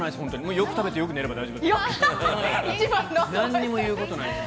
よく食べてよく寝れば大丈夫だと思います。